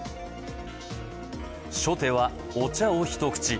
初手はお茶を一口。